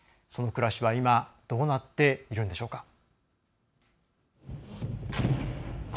その暮らしは今、どうなっているんでしょうか。